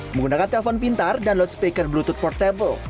menggunakan telepon pintar dan loudspeaker bluetooth portable